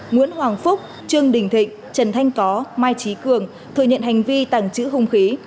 nguyễn hoàng phúc trương đình thịnh trần thanh có mai trí cường thừa nhận hành vi tàng trữ hung khí